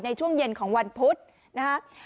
ในช่วงเย็นของวันพุษนะฮะ